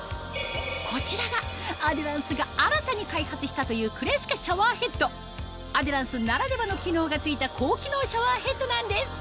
こちらがアデランスが新たに開発したというアデランスならではの機能が付いた高機能シャワーヘッドなんです